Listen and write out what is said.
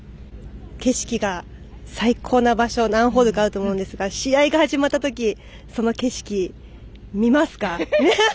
景色が最高な場所何ホールかあると思いますが試合が始まったとき、その景色見ますか？